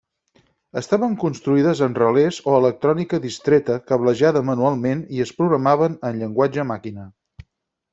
Estaven construïdes amb relés o electrònica distreta cablejada manualment i es programaven en llenguatge màquina.